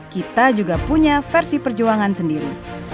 kita juga punya versi perjuangan sendiri